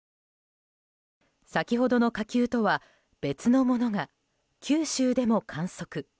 先ほどの火球とは別のものが九州でも観測。